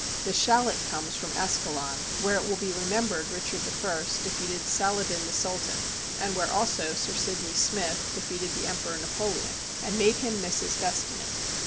The Shallot comes from Ascalon, where it will be remembered Richard the First defeated Saladin the Sultan, and where also Sir Sidney Smith defeated the Emperor Napoleon and made him miss his destiny.